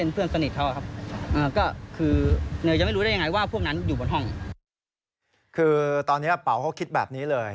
คือตอนนี้เป๋าเขาคิดแบบนี้เลย